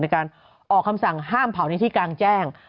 ในการออกคำสั่งห้ามเผาในที่กลางแจ้ง